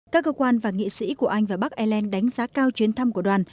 các cơ quan và nghị sĩ của anh và bắc ireland đánh giá cao chuyến thăm của đoàn